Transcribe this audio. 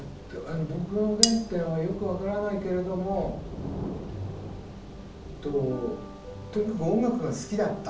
僕の原点はよく分からないけれどもとにかく音楽が好きだった。